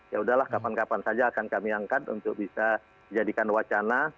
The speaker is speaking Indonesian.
yaudahlah kapan kapan saja akan kami angkat untuk bisa dijadikan wacana